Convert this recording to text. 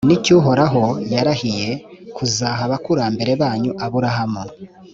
ni cyo uhoraho yarahiye kuzaha abakurambere banyu abrahamu